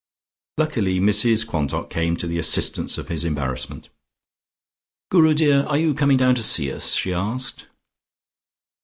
Luckily Mrs Quantock came to the assistance of his embarrassment. "Guru dear, are you coming down to see us?" she asked.